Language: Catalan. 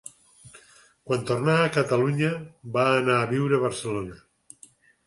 Quan tornà a Catalunya, va anar a viure a Barcelona.